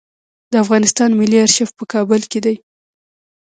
د افغانستان ملي آرشیف په کابل کې دی